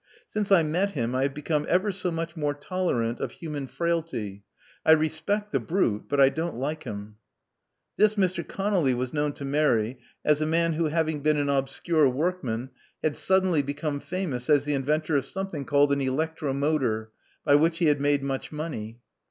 Since I met him I have become ever so much more tolerant of human frailty. I respect the brute ; but I don't like him. This Mr. ConoUy was known to Mary as a man who, having been an obscure workman, had suddenly become famous as the inventor of something called an electro motor, by which he had made much money.